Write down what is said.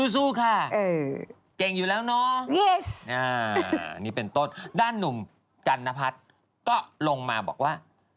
สู้ค่ะเก่งอยู่แล้วเนาะนี่เป็นต้นด้านหนุ่มจันนพัฒน์ก็ลงมาบอกว่า